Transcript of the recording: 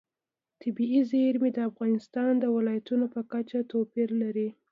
طبیعي زیرمې د افغانستان د ولایاتو په کچه توپیر لري.